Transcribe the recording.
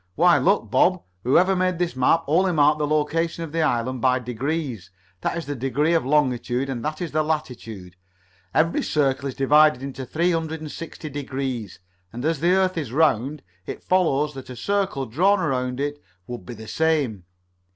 Why, look, Bob. Whoever made this map only marked the location of the Island by degrees; that is the degree of longitude and that of latitude. Every circle is divided into three hundred and sixty degrees, and as the earth is round. It follows that a circle drawn around it would be the same.